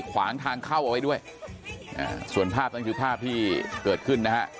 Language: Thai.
ขวางทางเข้าเอาไว้ด้วยส่วนภาพนั้นคือภาพที่เกิดขึ้นนะฮะ